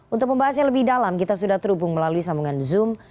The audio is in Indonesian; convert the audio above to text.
untuk membahasnya lebih dalam kita sudah terhubung melalui sambungan zoom